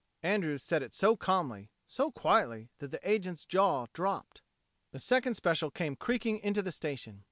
Andrews said it so calmly, so quietly, that the agent's jaw drooped. The second special came creaking into the station.